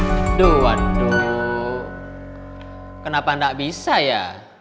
aduh waduh kenapa tidak bisa ya